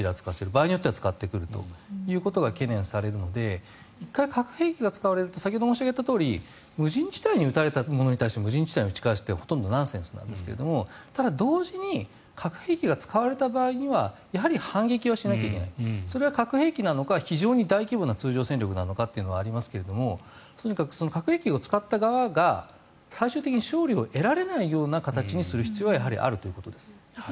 場合によっては使ってくることが懸念されるので１回核兵器が使われると先ほど申し上げたように無人地帯に使われたものに無人地帯に撃ち返すってほとんどナンセンスなんですがただ、同時に核兵器が使われた場合には反撃しなければいけないそれは核兵器なのか非常に大規模な通常戦力なのかというのはありますが核兵器を使った側が最終的に勝利を得られないようにする必要はあるということです。